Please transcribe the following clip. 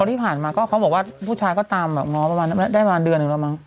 ที่ผ่านมาก็เขาบอกว่าผู้ชายก็ตามแบบง้อประมาณได้มาเดือนหนึ่งแล้วมั้ง